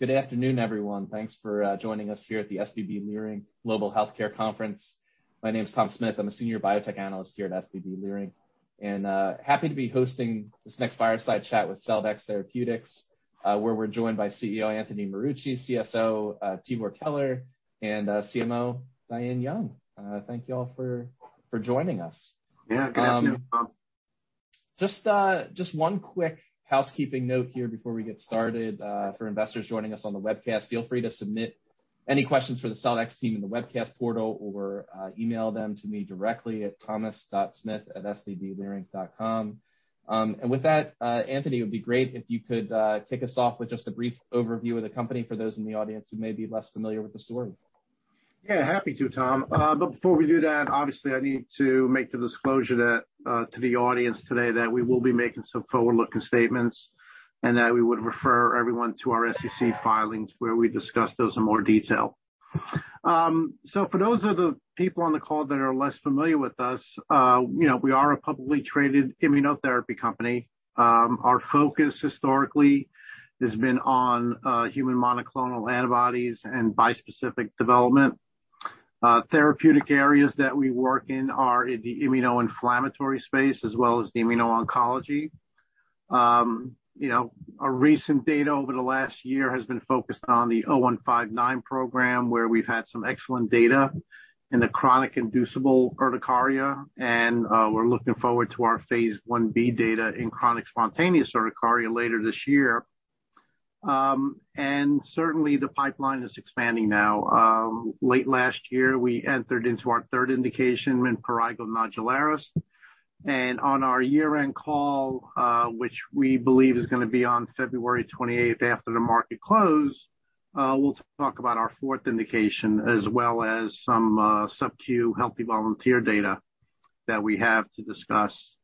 All right. Good afternoon, everyone. Thanks for joining us here at the SVB Leerink Global Healthcare Conference. My name is Tom Smith. I'm a senior biotech analyst here at SVB Leerink, and happy to be hosting this next fireside chat with Celldex Therapeutics, where we're joined by CEO Anthony Marucci, CSO Tibor Keler, and CMO Diane Young. Thank you all for joining us. Yeah. Good afternoon, Tom. Just one quick housekeeping note here before we get started. For investors joining us on the webcast, feel free to submit any questions for the Celldex team in the webcast portal or email them to me directly at thomas.smith@svbleerink.com. With that, Anthony, it would be great if you could kick us off with just a brief overview of the company for those in the audience who may be less familiar with the story. Yeah, happy to, Tom. Before we do that, obviously, I need to make the disclosure that to the audience today that we will be making some forward-looking statements and that we would refer everyone to our SEC filings where we discuss those in more detail. For those of the people on the call that are less familiar with us, you know, we are a publicly traded immunotherapy company. Our focus historically has been on human monoclonal antibodies and bispecific development. Therapeutic areas that we work in are in the immunoinflammatory space as well as the immuno-oncology. You know, our recent data over the last year has been focused on the CDX-0159 program, where we've had some excellent data in chronic inducible urticaria, and we're looking forward to our phase I-B data in chronic spontaneous urticaria later this year. Certainly, the pipeline is expanding now. Late last year, we entered into our third indication in prurigo nodularis. On our year-end call, which we believe is gonna be on February 28 after the market close, we'll talk about our fourth indication as well as some subcutaneous healthy volunteer data that we have to discuss.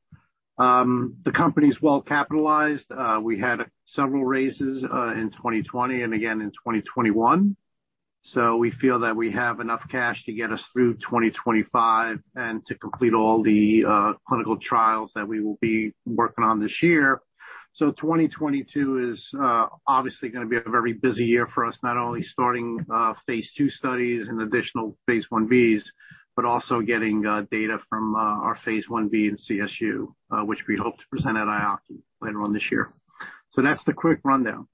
The company's well-capitalized. We had several raises in 2020 and again in 2021, so we feel that we have enough cash to get us through 2025 and to complete all the clinical trials that we will be working on this year. 2022 is obviously gonna be a very busy year for us, not only starting phase II studies and additional phase I-Bs, but also getting data from our phase I-B in CSU, which we hope to present at EAACI later on this year. That's the quick rundown.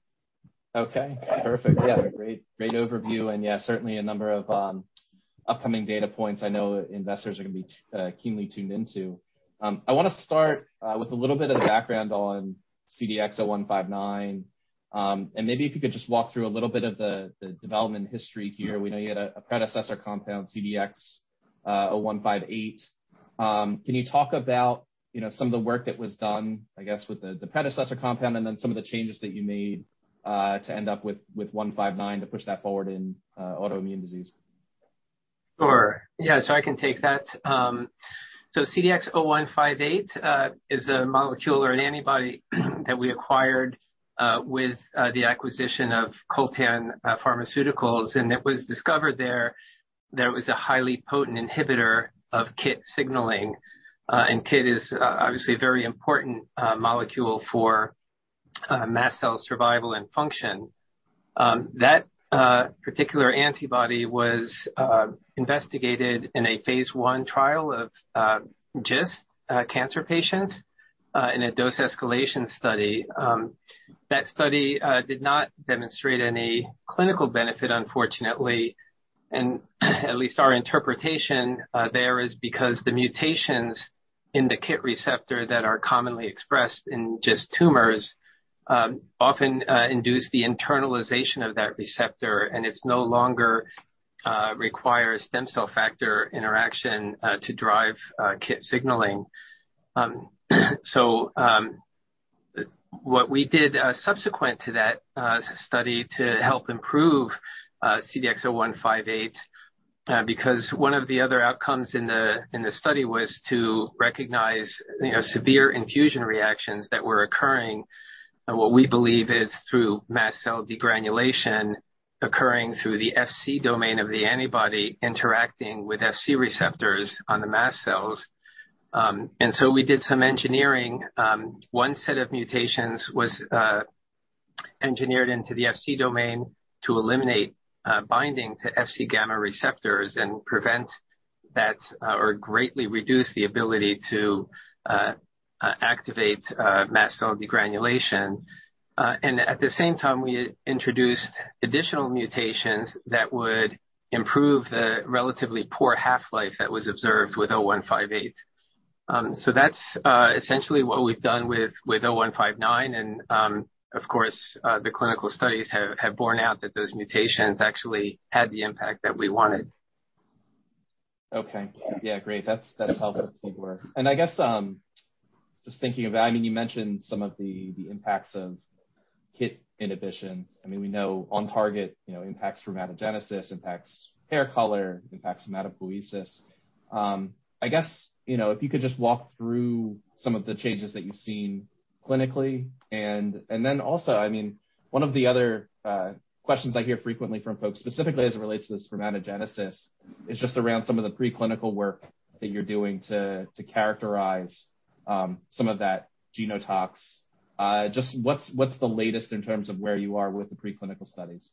Okay. Perfect. Yeah. Great overview and yeah, certainly a number of upcoming data points I know investors are gonna be keenly tuned into. I wanna start with a little bit of background on CDX-0159. Maybe if you could just walk through a little bit of the development history here. We know you had a predecessor compound, CDX-0158. Can you talk about you know some of the work that was done I guess with the predecessor compound and then some of the changes that you made to end up with 0159 to push that forward in autoimmune disease? Sure. Yeah. I can take that. CDX-0158 is a molecule or an antibody that we acquired with the acquisition of Kolltan Pharmaceuticals, and it was discovered there that it was a highly potent inhibitor of KIT signaling. KIT is obviously a very important molecule for mast cell survival and function. That particular antibody was investigated in a phase I trial of GIST cancer patients in a dose escalation study. That study did not demonstrate any clinical benefit, unfortunately, and at least our interpretation, there is because the mutations in the KIT receptor that are commonly expressed in GIST tumors often induce the internalization of that receptor, and it no longer requires stem cell factor interaction to drive KIT signaling. What we did subsequent to that study to help improve CDX-0158, because one of the other outcomes in the study was to recognize, you know, severe infusion reactions that were occurring and what we believe is through mast cell degranulation occurring through the Fc domain of the antibody interacting with Fc receptors on the mast cells. We did some engineering. One set of mutations was engineered into the Fc domain to eliminate binding to Fc gamma receptors and prevent that or greatly reduce the ability to activate mast cell degranulation. At the same time, we introduced additional mutations that would improve the relatively poor half-life that was observed with CDX-0158. That's essentially what we've done with CDX-0159. Of course, the clinical studies have borne out that those mutations actually had the impact that we wanted. Okay. Yeah. Great. That's helpful to see where. I guess just thinking about it, I mean, you mentioned some of the impacts of KIT inhibition. I mean, we know on target, you know, impacts for spermatogenesis, impacts hair color, impacts hematopoiesis. I guess, you know, if you could just walk through some of the changes that you've seen clinically and then also, I mean, one of the other questions I hear frequently from folks, specifically as it relates to this for spermatogenesis, is just around some of the preclinical work that you're doing to characterize some of that repro tox. Just what's the latest in terms of where you are with the preclinical studies?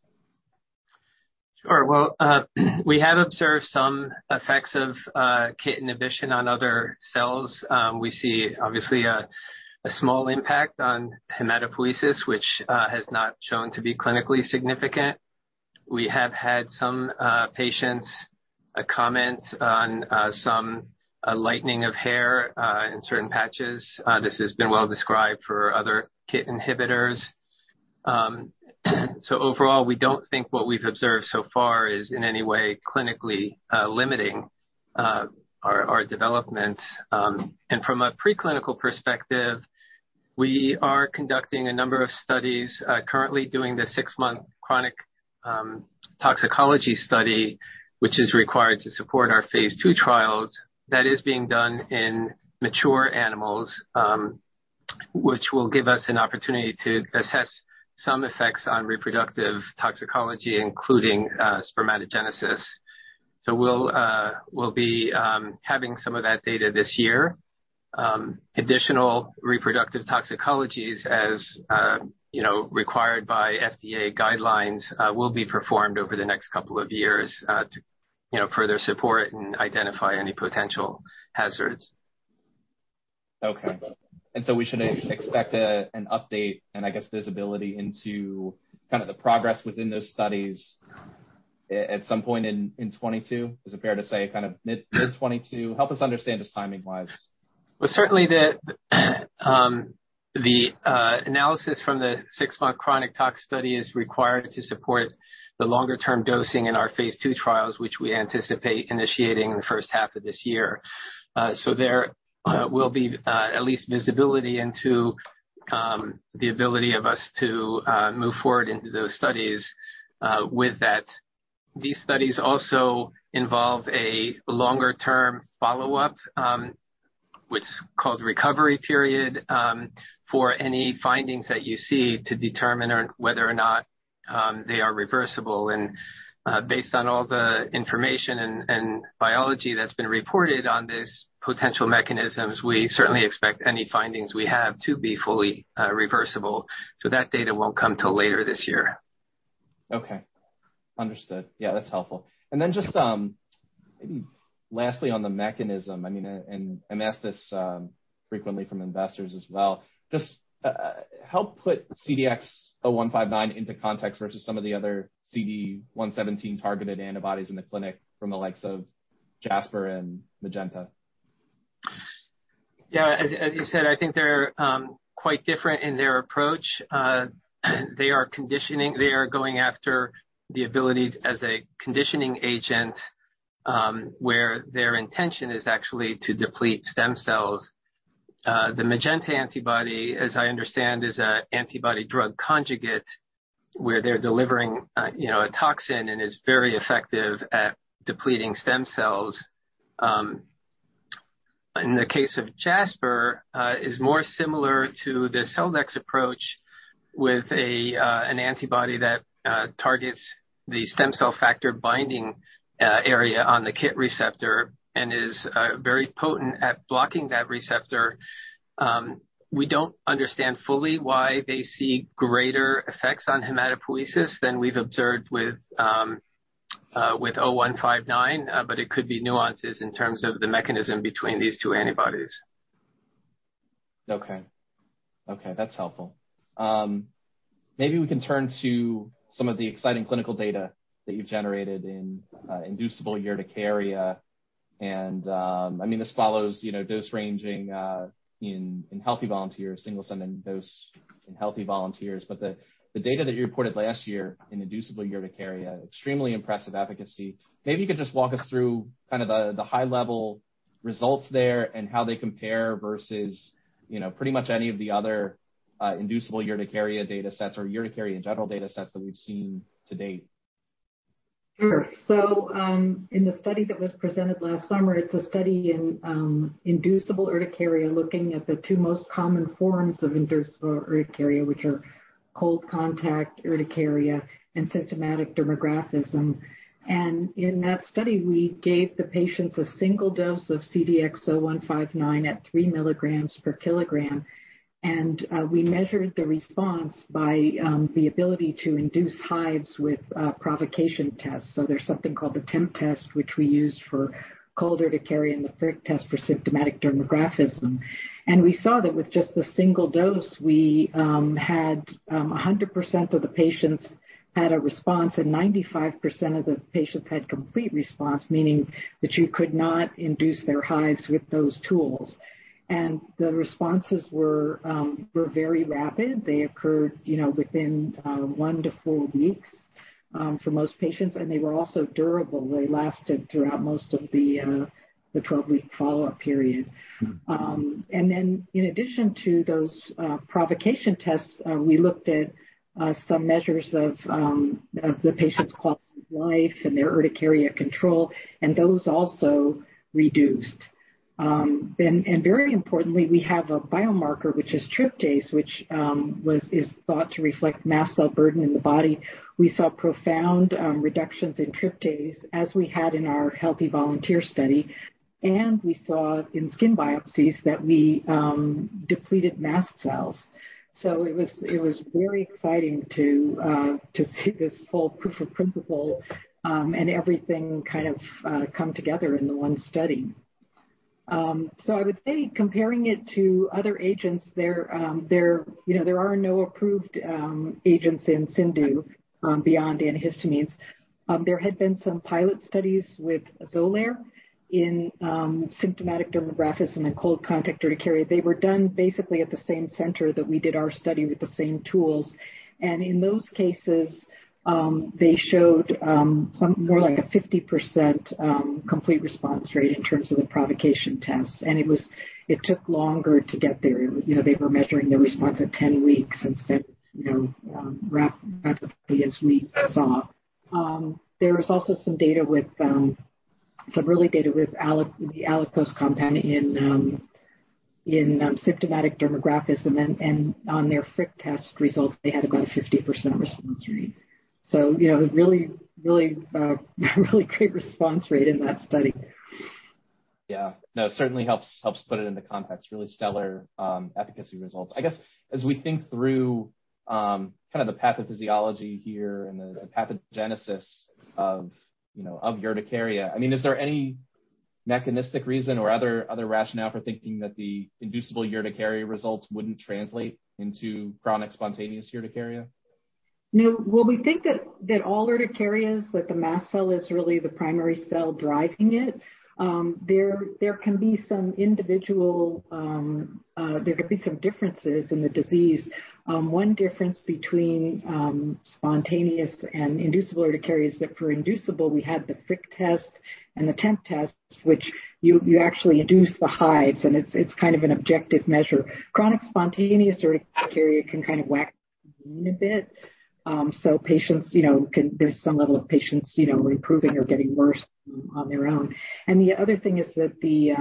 Sure. Well, we have observed some effects of KIT inhibition on other cells. We see obviously a small impact on hematopoiesis, which has not shown to be clinically significant. We have had some patients comment on some lightening of hair in certain patches. This has been well described for other KIT inhibitors. Overall, we don't think what we've observed so far is in any way clinically limiting our development. From a preclinical perspective, we are conducting a number of studies. Currently doing the six-month chronic toxicology study, which is required to support our phase II trials. That is being done in mature animals, which will give us an opportunity to assess some effects on reproductive toxicology, including spermatogenesis. We'll be having some of that data this year. Additional reproductive toxicology, as you know required by FDA guidelines, will be performed over the next couple of years to you know further support and identify any potential hazards. Okay. We should expect an update and I guess visibility into kind of the progress within those studies at some point in 2022? Is it fair to say kind of mid 2022? Help us understand just timing-wise. Well, certainly the analysis from the six-month chronic tox study is required to support the longer term dosing in our phase II trials, which we anticipate initiating in the first half of this year. There will be at least visibility into the ability of us to move forward into those studies. With that, these studies also involve a longer term follow-up, what's called recovery period, for any findings that you see to determine whether or not they are reversible. Based on all the information and biology that's been reported on these potential mechanisms, we certainly expect any findings we have to be fully reversible. That data won't come till later this year. Okay. Understood. Yeah, that's helpful. Then just maybe lastly on the mechanism, I mean, and I'm asked this frequently from investors as well. Just help put CDX-0159 into context versus some of the other CD117 targeted antibodies in the clinic from the likes of Jasper and Magenta. Yeah. As you said, I think they're quite different in their approach. They are going after the ability as a conditioning agent, where their intention is actually to deplete stem cells. The Magenta antibody, as I understand, is an antibody-drug conjugate where they're delivering a toxin and is very effective at depleting stem cells. In the case of Jasper, is more similar to the Celldex approach with an antibody that targets the stem cell factor binding area on the KIT receptor and is very potent at blocking that receptor. We don't understand fully why they see greater effects on hematopoiesis than we've observed with 0159, but it could be nuances in terms of the mechanism between these two antibodies. Okay. Okay, that's helpful. Maybe we can turn to some of the exciting clinical data that you've generated in inducible urticaria. I mean, this follows, you know, dose ranging in healthy volunteers, single ascending dose in healthy volunteers. But the data that you reported last year in inducible urticaria, extremely impressive efficacy. Maybe you could just walk us through kind of the high level results there and how they compare versus, you know, pretty much any of the other inducible urticaria datasets or urticaria in general datasets that we've seen to date. Sure. In the study that was presented last summer, it's a study in inducible urticaria, looking at the two most common forms of inducible urticaria, which are cold contact urticaria and symptomatic dermographism. In that study, we gave the patients a single dose of CDX-0159 at 3 mg/kg. We measured the response by the ability to induce hives with provocation tests. There's something called the TempTest which we used for cold urticaria and the FricTest for symptomatic dermographism. We saw that with just the single dose we had 100% of the patients had a response, and 95% of the patients had complete response, meaning that you could not induce their hives with those tools. The responses were very rapid. They occurred, you know, within one to four weeks for most patients, and they were also durable. They lasted throughout most of the 12-week follow-up period. In addition to those provocation tests, we looked at some measures of the patient's quality of life and their urticaria control, and those also reduced. Very importantly, we have a biomarker which is tryptase, which is thought to reflect mast cell burden in the body. We saw profound reductions in tryptase as we had in our healthy volunteer study. We saw in skin biopsies that we depleted mast cells. It was very exciting to see this whole proof of principle, and everything kind of come together in the one study. I would say comparing it to other agents there, you know, there are no approved agents in CIndU beyond antihistamines. There had been some pilot studies with XOLAIR in symptomatic dermographism and cold contact urticaria. They were done basically at the same center that we did our study with the same tools. In those cases, they showed some more like a 50% complete response rate in terms of the provocation tests. It took longer to get there. You know, they were measuring the response at 10 weeks instead, you know, rapidly as we saw. There was also some early data with the Allakos compound in symptomatic dermographism. On their prick test results, they had about a 50% response rate. You know, really great response rate in that study. Yeah. No, it certainly helps put it into context. Really stellar efficacy results. I guess, as we think through, kind of the pathophysiology here and the pathogenesis of, you know, of urticaria. I mean, is there any mechanistic reason or other rationale for thinking that the inducible urticaria results wouldn't translate into chronic spontaneous urticaria? No. Well, we think that all urticarias with the mast cell is really the primary cell driving it. There can be some individual differences in the disease. One difference between spontaneous and inducible urticaria is that for inducible we had the FricTest and the TempTest, which you actually induce the hives, and it's kind of an objective measure. Chronic spontaneous urticaria can kind of wax and wane a bit. So there's some level of patients improving or getting worse on their own. The other thing is that the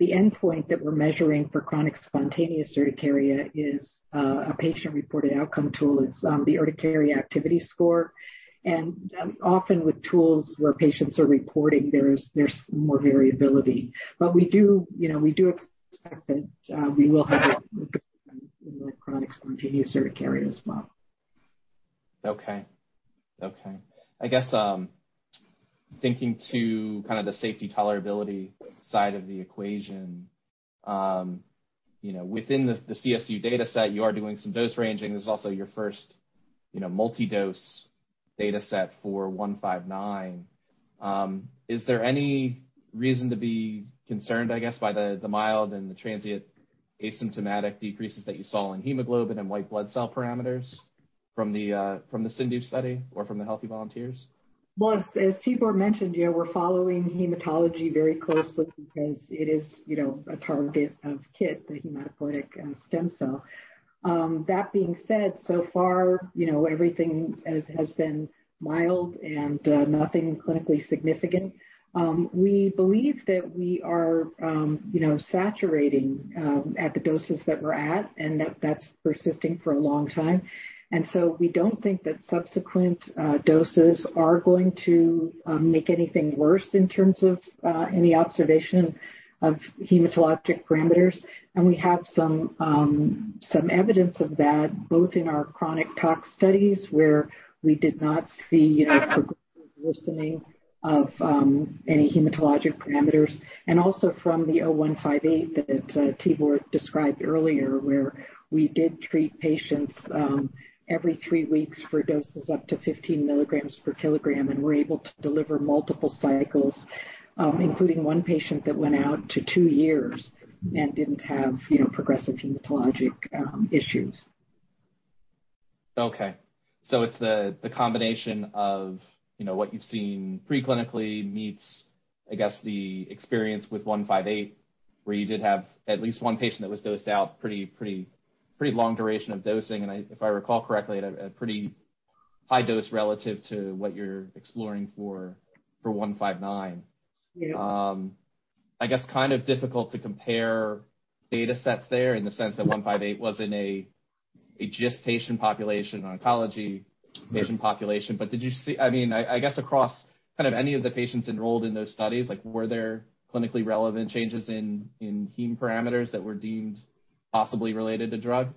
endpoint that we're measuring for chronic spontaneous urticaria is a patient-reported outcome tool. It's the Urticaria Activity Score. Often with tools where patients are reporting, there is more variability. We do, you know, we do expect that we will have in the chronic spontaneous urticaria as well. Okay. I guess, thinking to kind of the safety tolerability side of the equation, you know, within the CSU data set, you are doing some dose ranging. This is also your first, you know, multi-dose data set for CDX-0159. Is there any reason to be concerned, I guess, by the mild and the transient asymptomatic decreases that you saw in hemoglobin and white blood cell parameters from the CIndU study or from the healthy volunteers? Well, as Tibor mentioned, you know, we're following hematology very closely because it is, you know, a target of KIT, the hematopoietic stem cell. That being said, so far, you know, everything has been mild and nothing clinically significant. We believe that we are, you know, saturating at the doses that we're at and that that's persisting for a long time. We don't think that subsequent doses are going to make anything worse in terms of any observation of hematologic parameters. We have some evidence of that, both in our chronic tox studies, where we did not see, you know, progressive worsening of any hematologic parameters, and also from the CDX-0158 that Tibor described earlier, where we did treat patients every three weeks for doses up to 15 mg/kg. And were able to deliver multiple cycles, including one patient that went out to two years and didn't have, you know, progressive hematologic issues. Okay. It's the combination of, you know, what you've seen pre-clinically meets, I guess, the experience with CDX-0158, where you did have at least one patient that was dosed out pretty long duration of dosing. If I recall correctly, at a pretty high dose relative to what you're exploring for CDX-0159. Yeah. I guess it's kind of difficult to compare data sets there in the sense that CDX-0158 was in a GIST patient population, oncology patient population. Did you see? I mean, I guess across kind of any of the patients enrolled in those studies, like were there clinically relevant changes in heme parameters that were deemed possibly related to drug?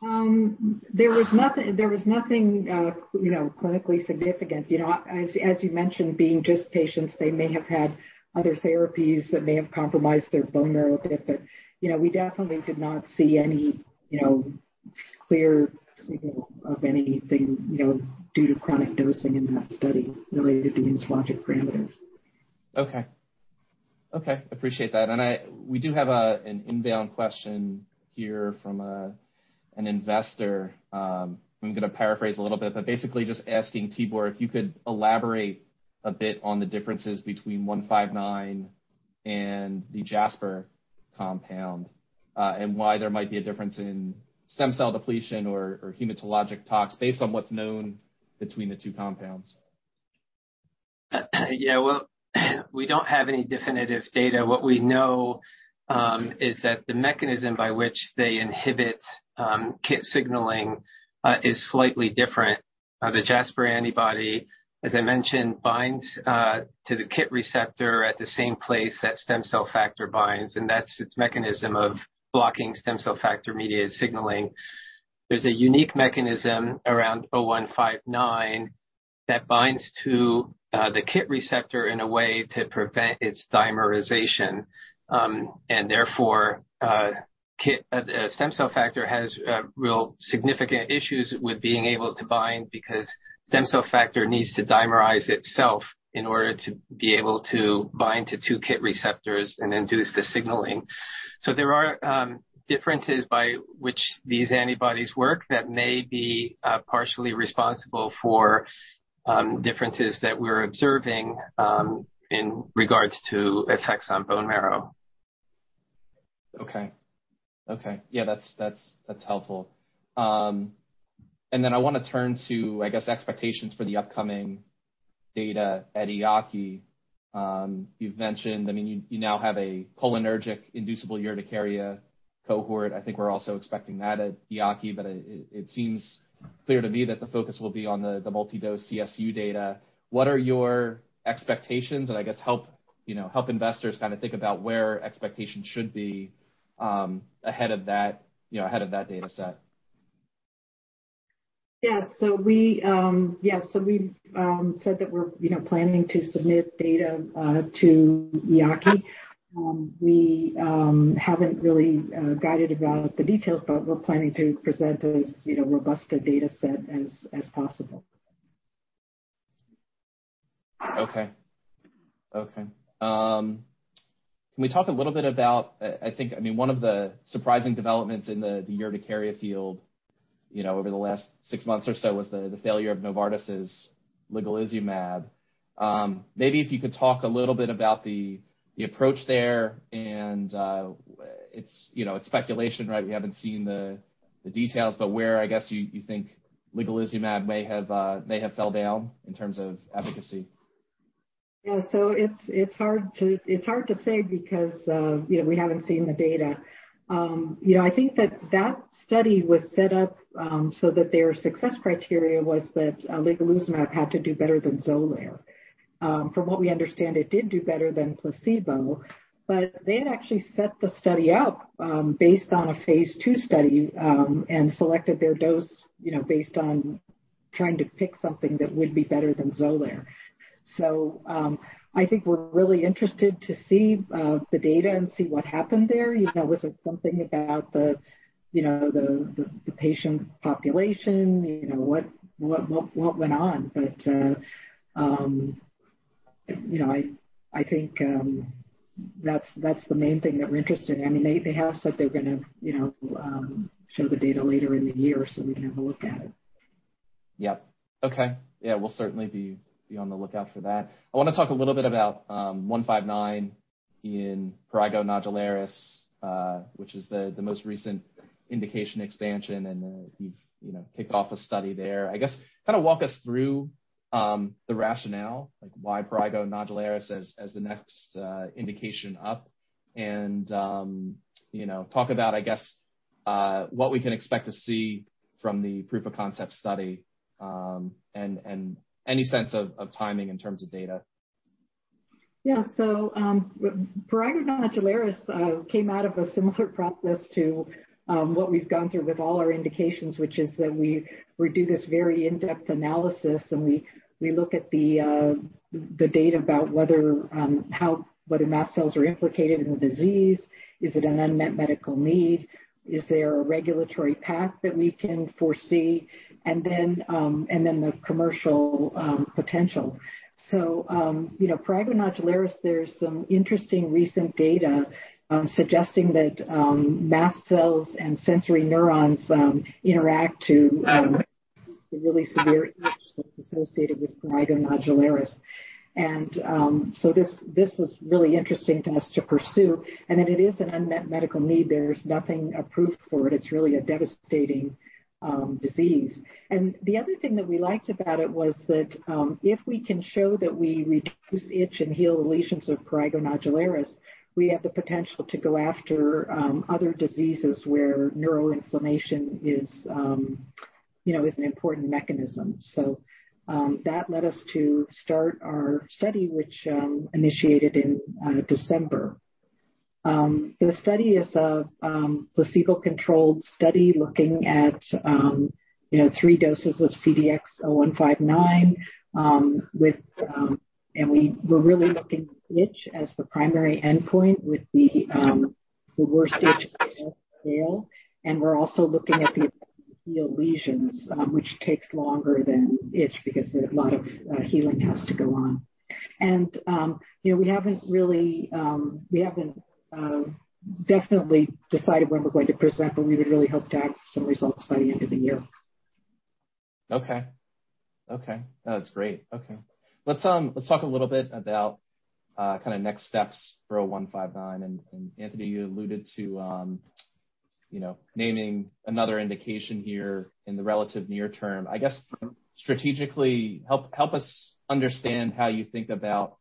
There was nothing, you know, clinically significant. You know, as you mentioned, being GIST patients, they may have had other therapies that may have compromised their bone marrow a bit. You know, we definitely did not see any, you know, clear signal of anything, you know, due to chronic dosing in that study related to hematologic parameters. Okay. Appreciate that. We do have an inbound question here from an investor. I'm gonna paraphrase a little bit, but basically just asking Tibor if you could elaborate a bit on the differences between CDX-0159 and the Jasper compound, and why there might be a difference in stem cell depletion or hematologic tox based on what's known between the two compounds. Yeah. Well, we don't have any definitive data. What we know is that the mechanism by which they inhibit KIT signaling is slightly different. The Jasper antibody, as I mentioned, binds to the KIT receptor at the same place that stem cell factor binds, and that's its mechanism of blocking stem cell factor mediated signaling. There's a unique mechanism around CDX-0159 that binds to the KIT receptor in a way to prevent its dimerization. Therefore, KIT, a stem cell factor has real significant issues with being able to bind, because stem cell factor needs to dimerize itself in order to be able to bind to two KIT receptors and induce the signaling. There are differences by which these antibodies work that may be partially responsible for differences that we're observing in regards to effects on bone marrow. Okay. Yeah, that's helpful. I wanna turn to, I guess, expectations for the upcoming data at EAACI. You've mentioned, I mean, you now have a cholinergic inducible urticaria cohort. I think we're also expecting that at EAACI, but it seems clear to me that the focus will be on the multi-dose CSU data. What are your expectations? I guess help investors kinda think about where expectations should be ahead of that data set. We said that we're, you know, planning to submit data to EAACI. We haven't really guided about the details, but we're planning to present as, you know, robust a data set as possible. Okay. Can we talk a little bit about one of the surprising developments in the urticaria field, you know, over the last six months or so was the failure of Novartis' ligelizumab. Maybe if you could talk a little bit about the approach there and it's speculation, right? We haven't seen the details, but where you think ligelizumab may have fell down in terms of efficacy. It's hard to say because you know, we haven't seen the data. You know, I think that study was set up so that their success criteria was that ligelizumab had to do better than XOLAIR. From what we understand, it did do better than placebo, but they had actually set the study up based on a phase II study and selected their dose, you know, based on trying to pick something that would be better than XOLAIR. I think we're really interested to see the data and see what happened there. You know, was it something about the you know, the patient population? You know, what went on? You know, I think that's the main thing that we're interested in. I mean, they have said they're gonna, you know, show the data later in the year, so we can have a look at it. Yep. Okay. Yeah, we'll certainly be on the lookout for that. I wanna talk a little bit about CDX-0159 in prurigo nodularis, which is the most recent indication expansion, and you know kicked off a study there. I guess kinda walk us through the rationale, like why prurigo nodularis as the next indication up and you know talk about I guess what we can expect to see from the proof of concept study, and any sense of timing in terms of data. Yeah. Prurigo nodularis came out of a similar process to what we've gone through with all our indications, which is that we do this very in-depth analysis and we look at the data about whether mast cells are implicated in the disease. Is it an unmet medical need? Is there a regulatory path that we can foresee? The commercial potential. You know, prurigo nodularis, there's some interesting recent data suggesting that mast cells and sensory neurons interact to the really severe itch that's associated with prurigo nodularis. This was really interesting to us to pursue. It is an unmet medical need. There's nothing approved for it. It's really a devastating disease. The other thing that we liked about it was that, if we can show that we reduce itch and heal lesions of prurigo nodularis, we have the potential to go after, other diseases where neuroinflammation is, you know, is an important mechanism. That led us to start our study, which initiated in December. The study is a placebo-controlled study looking at, you know, three doses of CDX-0159. We were really looking at itch as the primary endpoint with the worst itch scale. We're also looking at the healed lesions, which takes longer than itch because a lot of healing has to go on. You know, we haven't really definitely decided when we're going to present, but we would really hope to have some results by the end of the year. Okay. No, that's great. Let's talk a little bit about kinda next steps for CDX-0159. Anthony, you alluded to you know, naming another indication here in the relative near term. I guess strategically, help us understand how you think about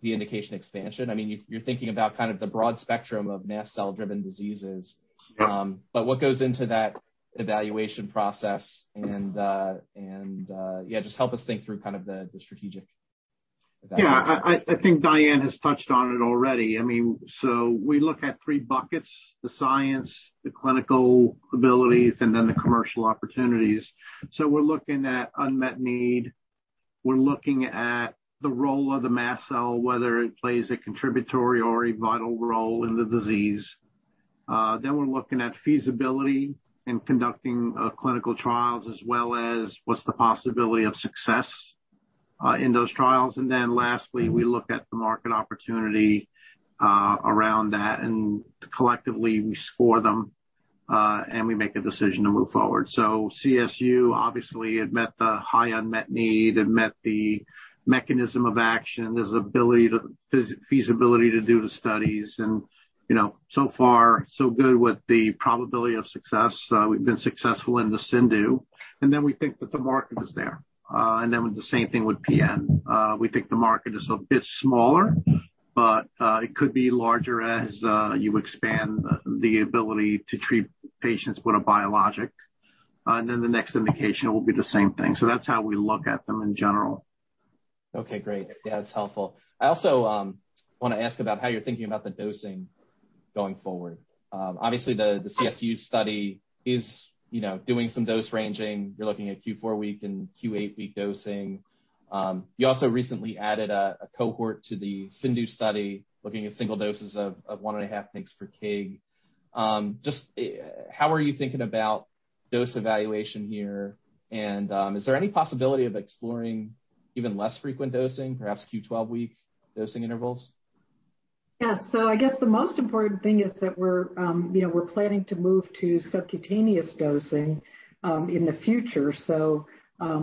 the indication expansion. I mean, you're thinking about kind of the broad spectrum of mast cell-driven diseases. Yeah. What goes into that evaluation process, just help us think through kind of the strategic evaluation. Yeah. I think Diane has touched on it already. I mean, we look at three buckets, the science, the clinical abilities, and then the commercial opportunities. We're looking at unmet need, we're looking at the role of the mast cell, whether it plays a contributory or a vital role in the disease. Then we're looking at feasibility in conducting clinical trials as well as what's the possibility of success in those trials. Then lastly, we look at the market opportunity around that, and collectively we score them and we make a decision to move forward. CSU obviously it met the high unmet need, it met the mechanism of action, there's feasibility to do the studies and, you know, so far so good with the probability of success. We've been successful in the CIndU, and then we think that the market is there. The same thing with PN. We think the market is a bit smaller, but it could be larger as you expand the ability to treat patients with a biologic. The next indication will be the same thing. That's how we look at them in general. Okay, great. Yeah, that's helpful. I also wanna ask about how you're thinking about the dosing going forward. Obviously the CSU study is, you know, doing some dose ranging. You're looking at Q4 week and Q8 week dosing. You also recently added a cohort to the CIndU study, looking at single doses of 1.5 mg/kg. Just how are you thinking about dose evaluation here? Is there any possibility of exploring even less frequent dosing, perhaps Q12-week dosing intervals? Yeah. I guess the most important thing is that we're, you know, we're planning to move to subcutaneous dosing in the future.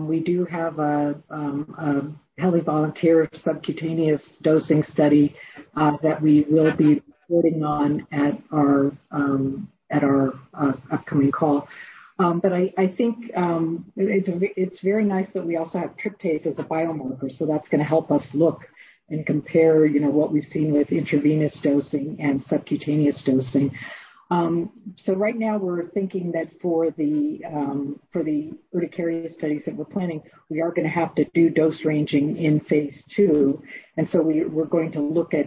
We do have a healthy volunteer subcutaneous dosing study that we will be reporting on at our upcoming call. I think it's very nice that we also have tryptase as a biomarker, so that's gonna help us look and compare, you know, what we've seen with intravenous dosing and subcutaneous dosing. Right now we're thinking that for the urticaria studies that we're planning, we are gonna have to do dose ranging in phase II. We're going to look at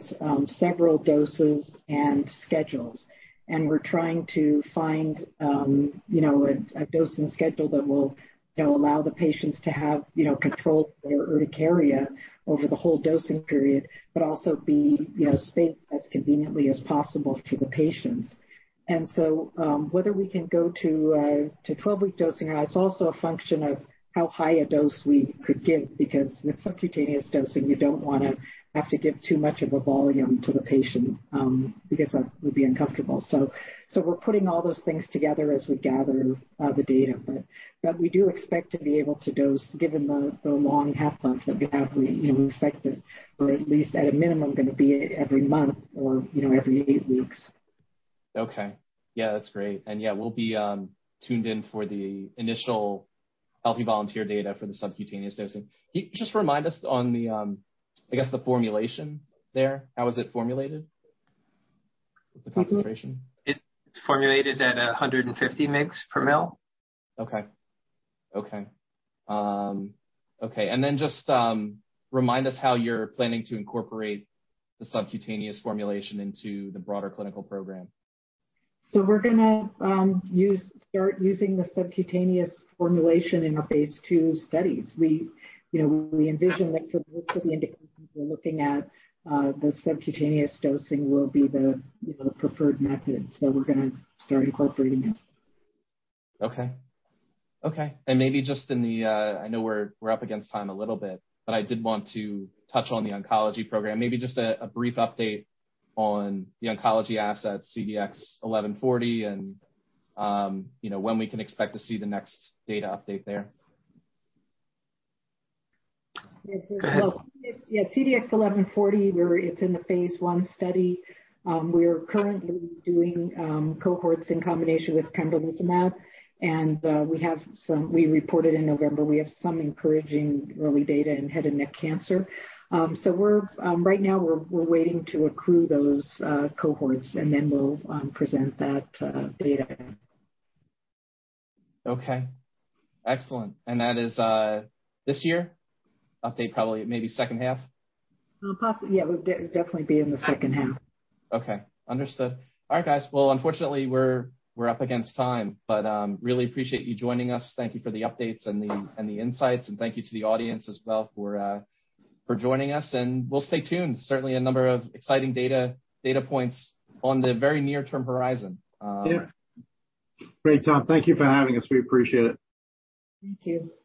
several doses and schedules. We're trying to find, you know, a dosing schedule that will, you know, allow the patients to have, you know, control their urticaria over the whole dosing period, but also be, you know, spaced as conveniently as possible to the patients. Whether we can go to 12-week dosing, it's also a function of how high a dose we could give because with subcutaneous dosing, you don't wanna have to give too much of a volume to the patient, because that would be uncomfortable. We're putting all those things together as we gather the data. We do expect to be able to dose, given the long half-life that we have, we, you know, expect that we're at least at a minimum, gonna be every month or, you know, every eight weeks. Okay. Yeah, that's great. Yeah, we'll be tuned in for the initial healthy volunteer data for the subcutaneous dosing. Can you just remind us on the, I guess the formulation there, how is it formulated, the concentration? It's formulated at 150 mg/ml. Okay, just remind us how you're planning to incorporate the subcutaneous formulation into the broader clinical program? We're gonna start using the subcutaneous formulation in our phase II studies. We envision that for most of the indications we're looking at, the subcutaneous dosing will be the preferred method, so we're gonna start incorporating it. Okay. Maybe just in the, I know we're up against time a little bit, but I did want to touch on the oncology program. Maybe just a brief update on the oncology assets, CDX-1140, and, you know, when we can expect to see the next data update there. Go ahead. Yeah. CDX-1140, it's in the phase I study. We're currently doing cohorts in combination with pembrolizumab, and we reported in November, we have some encouraging early data in head and neck cancer. Right now we're waiting to accrue those cohorts, and then we'll present that data. Okay. Excellent. That is, this year? Update probably maybe second half? Well, yeah, it would definitely be in the second half. Okay. Understood. All right, guys. Well, unfortunately, we're up against time, but really appreciate you joining us. Thank you for the updates and the insights, and thank you to the audience as well for joining us, and we'll stay tuned. Certainly a number of exciting data points on the very near-term horizon. Yeah. Great, Tom. Thank you for having us. We appreciate it. Thank you.